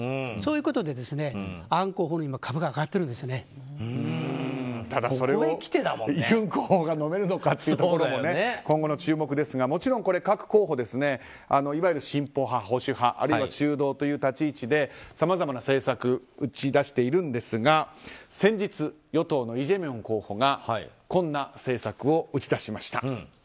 そういうことでアン候補の株がただ、それをユン候補が飲めるのかが今後の注目ですがもちろん各候補いわゆる進歩派、保守派あるいは中道という立ち位置でさまざまな政策を打ち出しているんですが先日与党のイ・ジェミョン候補がこんな政策を打ち出しました。